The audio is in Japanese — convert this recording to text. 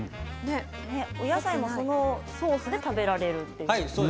お野菜もこのソースで食べられると。